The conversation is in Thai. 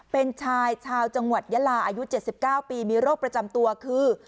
เป็นชายชาวจังหวัดยาลาอายุ๗๙ปีมีโรคประจำตัวคือ